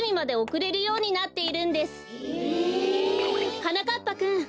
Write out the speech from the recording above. はなかっぱくん。